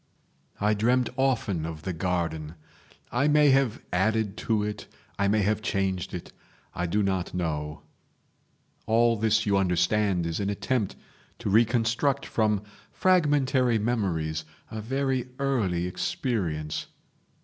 "I dreamt often of the garden. I may have added to it, I may have changed it; I do not know ..... All this you understand is an attempt to reconstruct from fragmentary memories a very early experience.